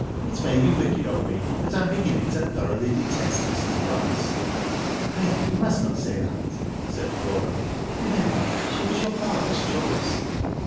It may be wicked of me, but I am beginning to thoroughly detest Mrs. Bryce. " Ida, you must not say that," said Flora. " Remember, she was your father's choice.